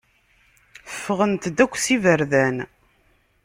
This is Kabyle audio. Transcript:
Ffɣent-d akk s iberdan.